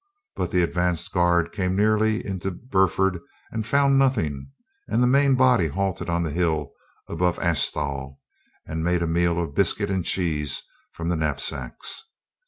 But the advance guard came nearly into Burford and found nothing and the main body halted on the hill above Asthall and made a meal of biscuit and cheese from the knap sacks.